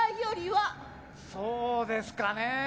そうですかね。